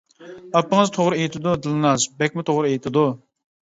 ئاپىڭىز توغرا ئېيتىدۇ دىلناز، بەكمۇ توغرا ئېيتىدۇ.